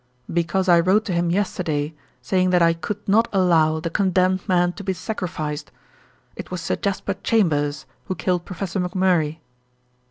"Because I wrote to him yesterday saying that I could not allow the condemned man to be sacrificed. It was Sir Jasper Chambers who killed Professor McMurray."